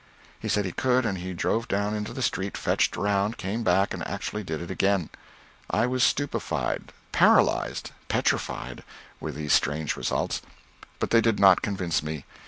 He said he could and he drove down into the street, fetched around, came back, and actually did it again. I was stupefied, paralyzed, petrified, with these strange results, but they did not convince me.